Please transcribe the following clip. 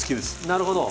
なるほど。